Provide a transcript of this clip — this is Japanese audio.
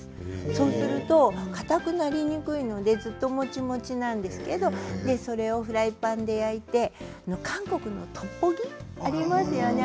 そうするとかたくなりにくいのでずっともちもちなんですけれどそれをフライパンで焼いて韓国のトッポッキ、ありますよね。